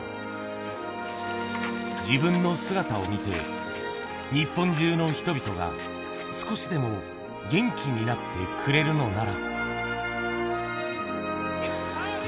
自分の姿を見て、日本中の人々が、少しでも元気になってくれるのなら。